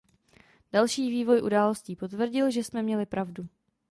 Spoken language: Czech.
Další vývoj událostí potvrdil, že jsme měli pravdu.